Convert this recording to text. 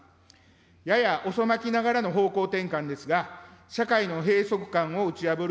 やや遅まきながらの方向転換ですが、社会の閉塞感を打ち破る